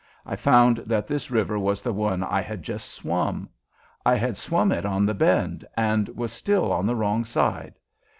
I found that this river was the one I had just swum! I had swum it on the bend and was still on the wrong side!